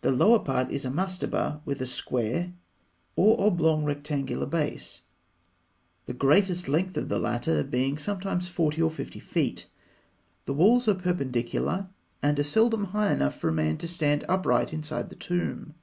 The lower part is a mastaba with a square or oblong rectangular base, the greatest length of the latter being sometimes forty or fifty feet. The walls are perpendicular, and are seldom high enough for a man to stand upright inside the tomb.